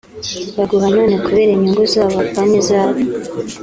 baguha none kubera inyungu zabo apana izawe